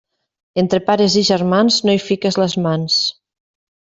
Entre pares i germans no hi fiques les mans.